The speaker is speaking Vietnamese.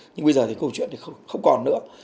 nhưng bây giờ thì câu chuyện thì không còn nữa